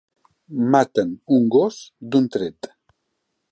Maten un gos d'un tret